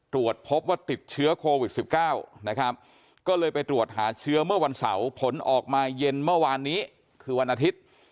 ตรวจพบว่าติดเชื้อโควิด๑๙นะครับก็เลยไปตรวจหาเชื้อเมื่อวันเสาร์ผลออกมาเย็นเมื่อวานนี้คือวันอาทิตย์